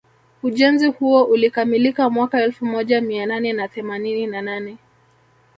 Ujenzi huo ulikamilika mwaka elfu moja mia nane na themanini na nane